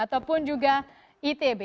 ataupun juga itb